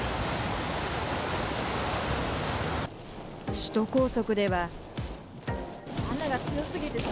首都高速では。